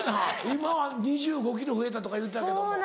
今は２５ｋｇ増えたとか言うてたけども。